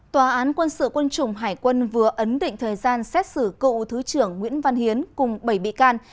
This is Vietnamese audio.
tòa án quân sự quân chủng hải quân vừa ấn định thời gian xét xử cựu thứ trưởng nguyễn văn hiến cùng bảy bị can